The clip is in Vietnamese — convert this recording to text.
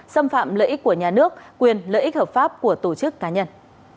xâm phạm lợi ích của nhà nước quyền lợi ích hợp pháp của tổ chức cá nhân